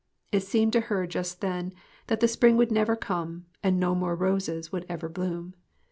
It seemed to her just then that the spring would never come, and no more rose* would ever bloom.